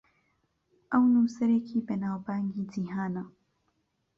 ئەو نووسەرێکی بەناوبانگی جیهانە.